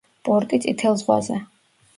პორტი წითელ ზღვაზე.